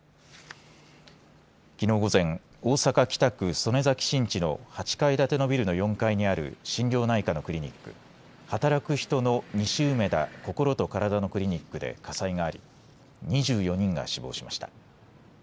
きのう午前大阪・北区曽根崎新地の８階建てのビルの４階にある心療内科のクリニック働く人の西梅田こころとからだのクリニックで火災があり２４人が死亡しました。